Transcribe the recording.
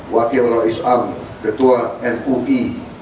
wakil rauh islam ketua mui